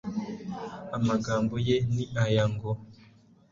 Amagambo ye ni aya, ngo: